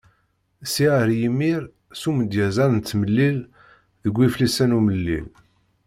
Sya ar yimir, s umedyez ad d-nettmlil deg Yiflisen Umellil.